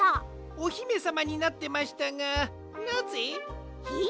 オヒメさまになってましたがなぜ？えっ？